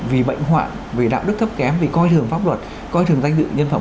vì bệnh hoạn vì đạo đức thấp kém về coi thường pháp luật coi thường danh dự nhân phẩm